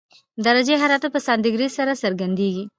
درجه حرارت په سانتي ګراد سره څرګندېږي.